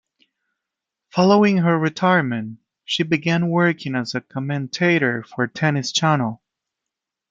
Following her retirement, she began working as a commentator for Tennis Channel.